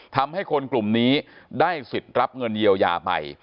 ทำให้คนกลุ่มนี้ได้สิทธิ์รับเงินเยียวยาไป